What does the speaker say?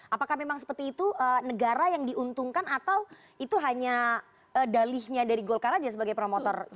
apakah memang seperti itu negara yang diuntungkan atau itu hanya dalihnya dari golkar aja sebagai promotor